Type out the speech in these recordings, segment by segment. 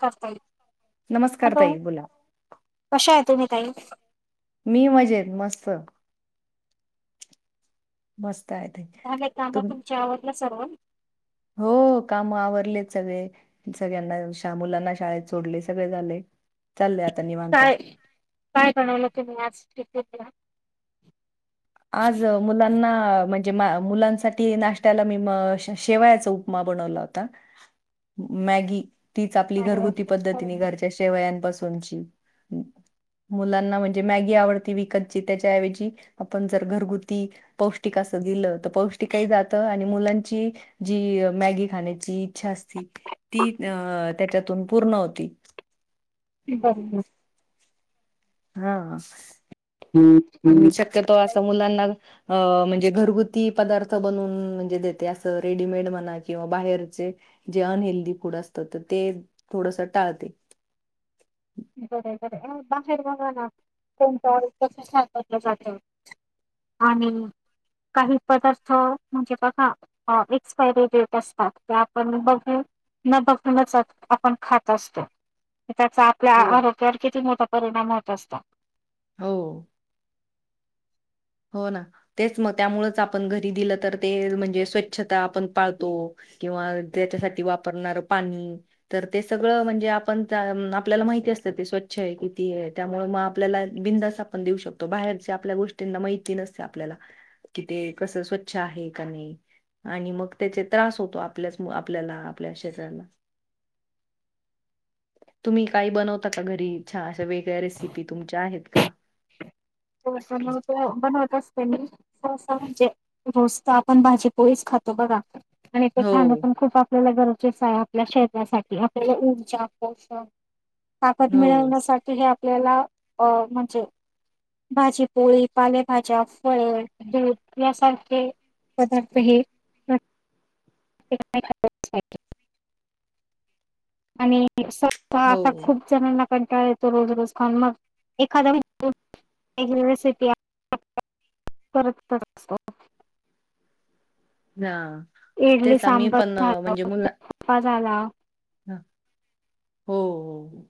करता येईल. नमस्कार हॅलो ताई बोला. कशा आहे तुम्ही ताई? मी मजेत मस्त. मस्त. आहे ताई. झाले काम तुम तुमचे आवरले सर्व. हो काम आवरलेत सगळे. सगळ्यांना नाष्टा मुलांना शाळेत सोडले सगळे झाले. [unintelligible] [unintelligible] चाललंय आता निवांत. काय-काय बनवलं तुम्ही आज. टिपिनला. जे मुलांसाठी नाष्टायाला मी शेवयाचा उपमा बनवला होता. मॅगी तीच आपली घरगुती पद्धतीने घरच्या शेवयापासून. मुलांना म्हणजे. मॅगी आवडते विकतची त्याच्या ऐवजी. आपण जर घरगुती पौष्टिक असं दिलं. तर पौष्टिकही जात. आणि मुलांची जी मॅगी खाण्याची इच्छा असती. ती त्याच्यातून पूर्ण होती. बरोबर. हा मी शक्यतो असं मुलांना. अ म्हणजे घरगुती पदार्थ बनवून म्हणजे देते. असं रेडीमेड म्हणा किंवा बाहेरचे. जे अनहेल्दी फूड असतात. तर ते थोडस टाळते. [unintelligible] बरय-बरय बाहेर बघा ना. कोणत कस [inaudible] जातय. आणि. काही पदार्थ म्हणजे बघा एक्सपायरी डेट असतात. ते आपण बघून. न बघताच आपण खात असतो. त्याचा. आपल्या हो. आरोग्यावर किती मोठा परिणाम होत असतो. हो. हो ना तेच मग त्यामुच आपण घरी दिलं तर ते म्हणजे स्वच्छता आपण पाळतो किंवा त्याच्यासाठी वापरणार पाणी तर ते सगळं म्हणजे आपण आपल्याला माहिती ि असत ते स्वच्छ आहे किती आहे त्यामुळे मग आपल्याला बिंदास आपण देऊ शकतो बाहेरच्या आपल्या गोष्टींना माहि नते आपल्याला कि ते कस स्वच्छ आहे का नाही आणि मग त्याचे त्रास होतो आपल्याच आपल्याला आपल्या शरीजऱला [unintelligible] तुम्ही काही बनवता का घरी छान अशा वेगळ्या रेसिपी तुमच्या आहेत का हो बनवत बनवता अस म्हणजे रोजता आपण भाजी पोळीच खातो बघा आणि ते हो, खाणं पण खूप आपल्याला गरजेचं आहे आपल्या शरीरासाठी आपल्याला ऊर्जा पोषण ताकद हो, मिळवण्यासाठी हे आपल्याला अ म्हणजे भाजीपोळी पालेभाज्या फळ दूध यासारखे पदारप हे आणि हो. आता खूप जणांना कंटाळा येतो रोज रोज खन मग एखादा युनिव्हर्सिटी परत असतो ना इडली सांबर झालाफा झाला ह हो हो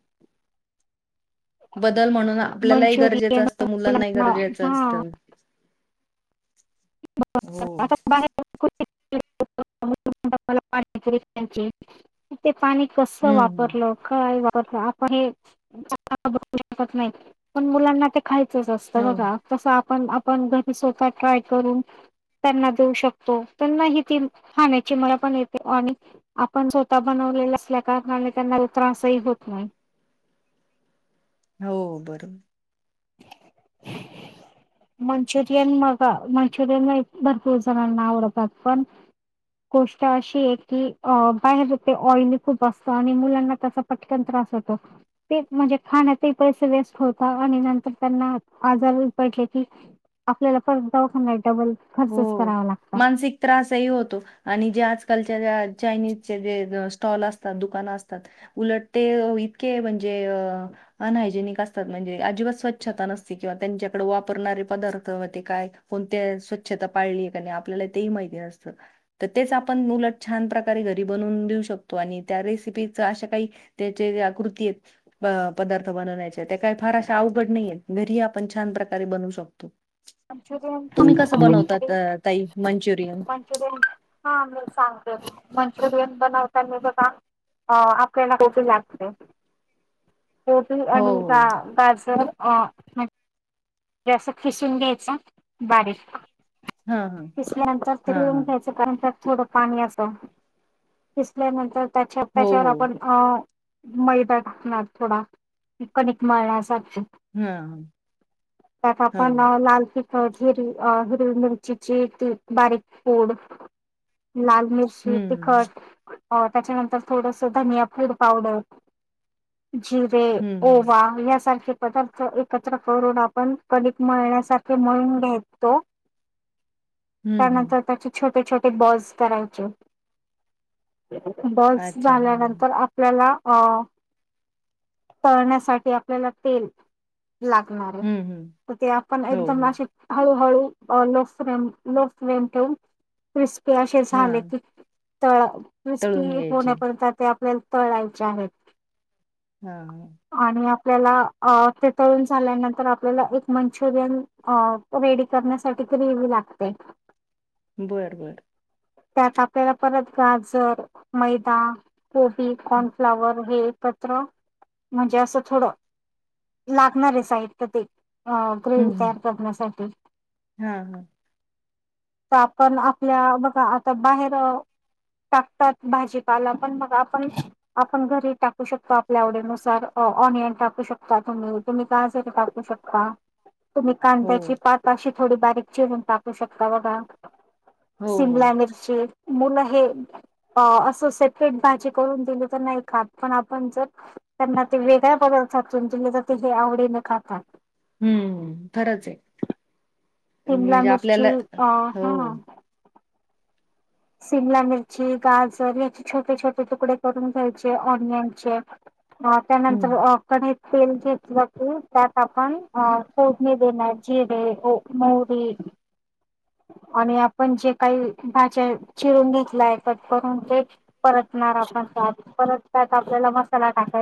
बदल म्हणून आपल्यालाही गरजेचं असतं मुलांना गरजेचं असतं हो. ता ला पा पाणी कस हं, हं. वापरलं काय नाही पण मुलांना खायचंच असतं हो, बघा तस आपण आपण घरी स्वतः ट्राय करून त्यांना देऊ शकतो त्यांना ह ती खाण्याची मला पण येते आणि आपण स्वतः बन त्यां त्र होत नाही हो बरोर [inaudible] मंचुरियन मग मंचुरियन म भरपूर जणांना आवडतात पण गोष्ट अशी आहे की बाहेरे ऑइल खूप असत आणि मुलांना त्या पटकनंत म्हणजे ख पै वेस्ट हो आणि तर त्यांना आजार पटले की आपल्याला परत दखा नाही डबल खर्चच हो करावा लागतो. मानसिक त्रासही होतो आणि जे आजकाल चानी जे स्टॉल असतात दुकान असतात उलट ते इतके म्हणजे अहायजेनिक असतात म्हणजे अजिबात स्वच्छता नसती किंवा त्यांच्याकडे वापरणारे पदार् काण आपल्या माहि आप छान प्रकारेरी ब काृ पद् ब काही फार अशा अवघड नाहीय घरी आपण छान प्रकारे बनवू शकतो आमच्या तुम्ही कसं बनवतात अ ताई मंचुरियन? मंचुरियन हा म सांगत मंचुरियन बनवतानाझ काम आपल्याला खूपी लागते होती हो, हो. आणिच अ जसं खिसून घ्यायचं बारीक हां, हां. पिसल्या अंतर हां, तऊन हां. घ्यायचं कार थोडं पाणी असं पिसल्यानंतर त्याच्या हो, त्याच्यावर हो. आपण अ मैदा टाकणार थोडा कणिक मळण्यासाठी हम् त्यात आपण लाल. हिर हिरवी मिरचीची त बारीक पोड. लाल मिर्ची हं, तिखट हो त्याच्यानंतर थोडस धनिया फूड पावडर. जिर हं, हं. ओवा या सारखे पदार्थ एकत्र करोना. पण कधिक मळण्यासाठी मळून घेत तो हं, हं. त्यानंतर त्याचे छोट छोटे बस करायचेहोतो. बस अच्छा. हां, हां. झाल्यानंतर आपल्याला अ तळण्यासाठी आपल्याला तेल लागल. हं, हं. तर ते आपण हो, हो. एकदमशी हळूहळू. लो फ्रेम लो फ्रेम ठेवून क्रिस्पी असे झाले हां, की तळ तळून क्रिस्पी घ्यायचे. होण्यापर्यंत ते आपल्याला तळायचे आहेत. हा. आणि आपल्याला तेथळून झाल्यानंतर आपल्याला एक मंचुरियन रेडी करण्यासाठी तरीवी लागते. बरं बरं. त्यात आपल्याला परत गाजर मैदा कोबी कॉर्नफ्लावर हे. पत्र म्हणजे असं थोड लागणार साहित्यत. अ ग्रेव तयार करण्यासाठी हा हा. तर आपण आपल्या बघा आता बाहेर. टाकतात भाजीपाला पण मग आपण आपण घरी टाकू शकतो आपल्या आवडीनुसार ऑनलाईन टकू शकता तु्ही तुम्हीय असेल टाकू शकता. तुम्ही हो, कांद्याची पात अशी थोडी बारीक चिरून टाकू शकता बघा. हो, हो. शिमला मिरची मुल हे. अ असो सपेट भाजी करून दिली तर नाही खात पण आपण जर त्यांना ते वेगळ्या प्. ुम तर ते आवडीने खातात. हम्म खरंच एक. शिमला म्हणजे मिरची आपल्याला अ हो. हा शिमला मिरची गाजर याचे छोटे छोटे तुकडे करून घ्यायचे ऑनियनचे अ हं. त्यानंतर क तेल घेतलंाते त्यात आपण अ फोडणी देणार जिरे मोरी आणि आपण जे काही भाज्या चिरून घेतलाय कट करून ते परतणार आपणत परततत आपल्याला मसाला टाक.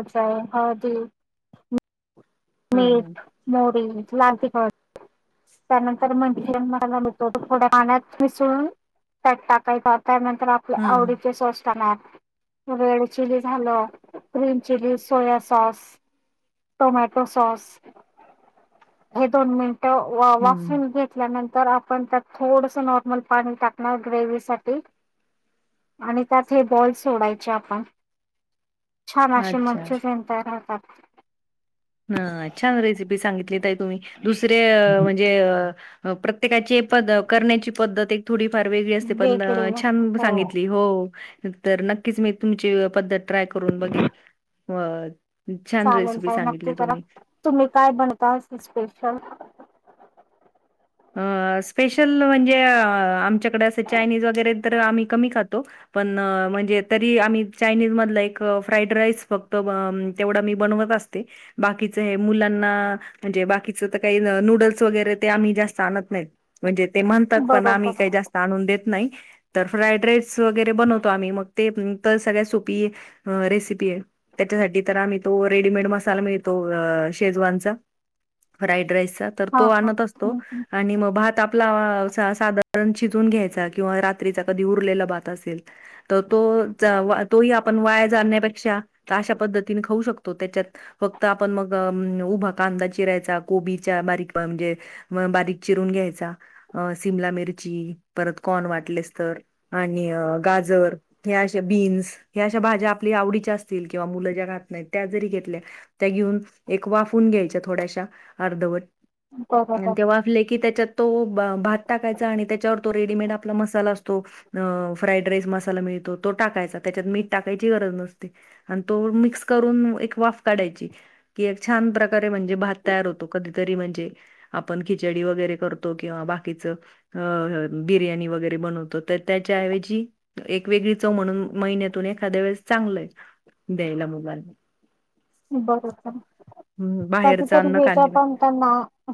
हळदी हां, हां. मीठ मोरी लागतिक. त्यानंतर मंजयन मत ोड पाण्यात मिसळून त्या टाकाय. त्यानंतर आपल्या हां, हां. आवडीचे रेड चिली झालं green chilli soya sauce. Tomato. सस हे दोन मिनट हं. वाून घेतल्यानंतर तर आपण त्यात थोडंसं नॉर्मल पाणी टाकणार ग्रेवसाठी आणि त्यात हे बॉल सोडायचे आपण छान अे अच्छा. मंचन त राहतात. ह छान रेसिपी सांगितलीत आहे तुम्ही दुसरे अ म्हणजे प्रत्येकाची प करण्याची पद्धत एक थोडी फार वेगळी असते पण वेगळे छान हो सांगितली हो तर नक्कीच मी तुमची पद्त ट्राय करून बघेल छान रेसिपी सांगितली. बरा तुम्ही. तुम्ही काय बनता स्पेशल अ स्पेशल म्हणजे आमच्याकडे असं चायनीज वगैरे तर आम्ही कमी खातो. पण म्हणजे तरी आम्ही चायनीज मधला एक फ्राईड राईस फक्त तेवढं मी बनवत बा मुलांना म्हणजे बाच का नूडस वगरे आम णत नाही म्हणजे ते म्हणतात पण आम्ही बरोबर काही जास्त आणून देत नाही तर फ्राईड राईस वगैरे बनवतो आम्ही मग ते तर सगळ्या सोपी रेसिपी आहे आम्ही तो रेडीमेड मसा मितो शेजचा फ्राड राईस हां तो हां आणत असतो हं, हं. ग भात आपला साधारण चिजून घ्यायचा किंवा रात्रीचा कधी उरलेला भात असेल तर तो तोही आपण वाया जाण्यापेक्षा अशा पद्धतीने खाऊ शकतो त्याच्यात फक्त आपण मग उभा कांदा चिरायचा कोबीच्या बारीक म्हणजे बारीक चून घ्यायम मि पर क वाट जरश बीन्स ह्या अशा भाज्या आपल्या आवडीच्या असतील किंवा मुलं ज्या घात नाहीत त्या जरी घेतल्या घेऊन एक वाून घ्याय थोड्याश अर्व बरोबर वा त भ टा त्याो रेे आप म अस्राड म ो टाय त्याच्यात मी टाकायची गरज नसते आणि तो म्स करून एक वाफ काढा छे म्हण भत क म्हण आप ख वा बा बिणी वरे बनत त्याव एक वेगळी चव म्हणून महिन्यातून एखाद्या वेळेस चांगलंय द्यायला मोबाल बरं कधी बाहेरचं तरी अन्न वेच्या खाल्ले पण त्यांना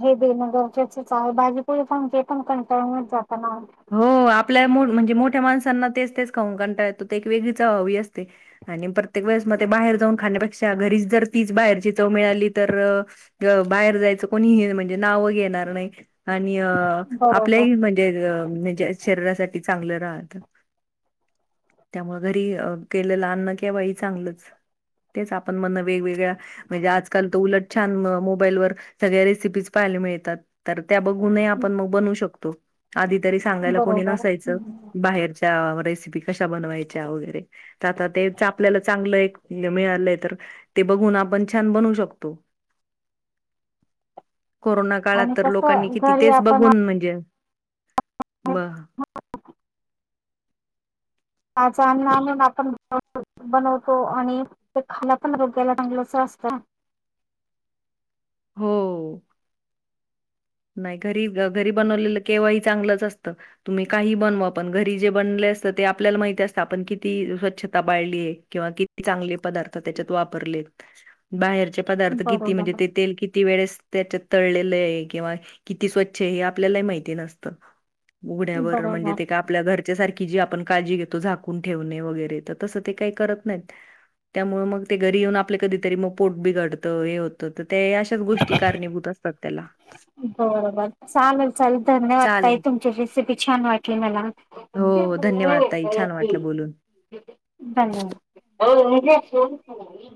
हे देणं गरजेचेच आहे भाजी त फ जे पण कळ हो आप आपल्या म्हणजे मोठ्या माणसांना तेच तेच खाऊना येतो एक वेगळीच चव हवी असते आणि प्रत्येक वेळे मध्ये बाहेर जाऊन खाण्यापेक्षा घरीच जर तीच बाहेरची चव मिळाली तर बाहेर जायचं कोणी नाव येणार नाही आणि आपले बरोबर म्हणजे शरीसाठी चांगलं राहत त्या मुळे घरी केलंल अन्न केव्हाही चांगलंच तेच आपण म्हण वेगवेगळ्या म्हणजे आजकाल तर उलट छान मोबाईल वर सगळ्या रेसिपीज पा त्या बघून हं, आपण मग बनू शकतो आधी तरी सांगायला कोणी बरोबर नसायचं हं. बाहेरच्या क व आपल्या चांगले मिळाले तर बघून आपण छान बनू शकतो कोरोना काळात आणि तर लोकांनी कसं किती घरी तेच आपण बघून म्हणजे व अछ आणिमण [unintelligible] बनवतो आणि ते खाला पण रोग्याला रांगलच असत हो घरी घरी बनवलेलं केव्हाही चांगलंच असतं तुम्ही काही बनवा आपण घरी जे ब आपल्याला माहित असते आपण किती स्वच्छता पाळली किंवा किती चांगले पदार्थ त्याच्यात वापर बाहेरचे पदार्थ किती म्हणजे बरोबर ते तेल किती वेळेस त्याच्यात तळलेले आहे किंवा किती स्वच्छ आहे हे आपल्याला ही माहिती नसते आपल्या बरोबर उघड्यावर की जी आपण काळजी घेतो झाकून ठेवणे वगैरे तर तसं ते काही करत नाहीत त्यामुळे मग ते घरी येऊन आपलं कधीतरी मग पोट बिघडतं हे होतं ते अशाच गोष्टी कारणीभूत असतात त्याला बरोबर चालेल चाल धन्यवाद चालेल. ताइ तुमची रेसिपी छान वाटली मला हो, हो. धन्यवाद ताई. छान वाटलं बोलून. नाहीो [unintelligible]